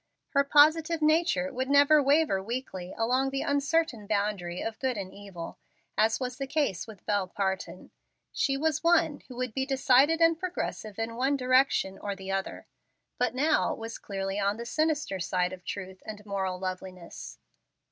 Her positive nature would never waver weakly along the uncertain boundary of good and evil, as was the case with Bel Parton. She was one who would be decided and progressive in one direction or the other, but now was clearly on the sinister side of truth and moral loveliness.